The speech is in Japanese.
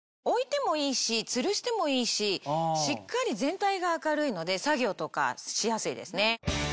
置いてもいいしつるしてもいいししっかり全体が明るいので作業とかしやすいですね。